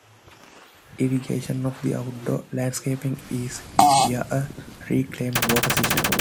Irrigation of the outdoor landscaping is via a reclaimed water system.